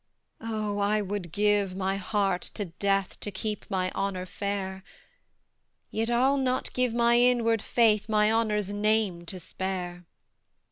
Oh, I would give my heart to death, To keep my honour fair; Yet, I'll not give my inward faith My honour's NAME to spare!